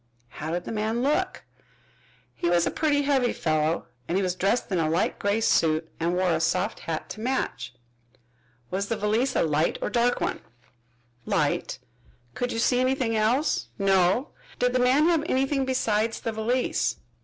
"How did the man look?" "He was a putty heavy fellow and he was dressed in a light gray suit and wore a soft hat to match." "Was the valise a light or a dark one?" "Light." "Could you see anything else?" "No." "Did the man have anything besides the valise?"